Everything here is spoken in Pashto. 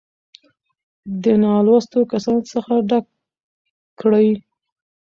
دې نـالـوسـتو کسـانـو څـخـه ډک کـړي.